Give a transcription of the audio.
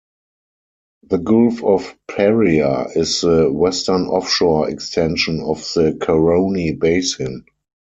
The Gulf of Paria is the western offshore extension of the Caroni basin.